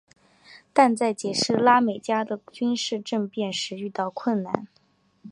但在解释拉美国家的军事政变时遇到困难。